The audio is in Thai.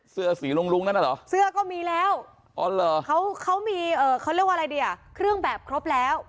เสื้อสีรุ้งนั่นหรอเสื้อก็มีแล้วเขามีเครื่องแบบครบแล้ว